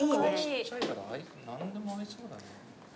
顔ちっちゃいから何でも合いそう。